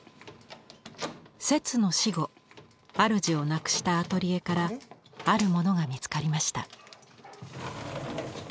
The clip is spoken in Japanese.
摂の死後あるじを亡くしたアトリエからあるものが見つかりました。